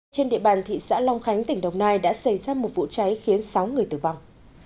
trên địa bàn thị xã long khánh tỉnh đồng nai đã xảy ra một vụ cháy khiến sáu người tử vong